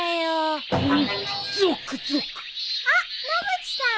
あっ野口さん。